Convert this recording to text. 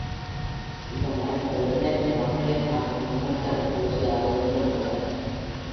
இந்த மருந்து எண்ணற்ற மக்களைக் காக்கும் நோய்த் தடுப்பு ஊசியாக இன்றும் உள்ளது.